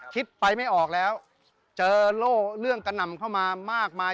คิดไปไม่ออกแล้วเจอโล่เรื่องกระหน่ำเข้ามามากมาย